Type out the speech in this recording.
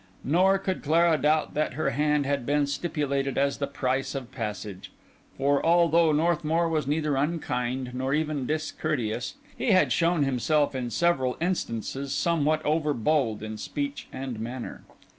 Nor could Clara doubt that her hand had been stipulated as the price of passage. For, although Northmour was neither unkind nor even discourteous, he had shown himself in several instances somewhat overbold in speech and manner.